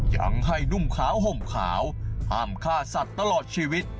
ยังให้นุ่มขาวห่มขาวห้ามฆ่าสัตว์ตลอดชีวิต